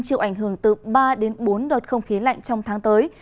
chịu ảnh hưởng từ ba đến bốn đợt không khí lạnh trong tháng tới